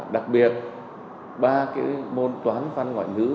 đặc biệt ba cái môn toán văn ngoại nữ